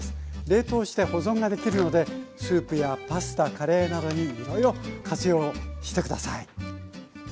冷凍して保存ができるのでスープやパスタカレーなどにいろいろ活用して下さい。